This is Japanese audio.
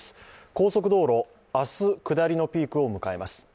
高速道路、明日下りのピークを迎えます。